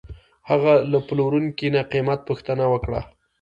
هغه له پلورونکي نه قیمت پوښتنه وکړه.